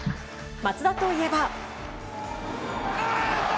松田といえば。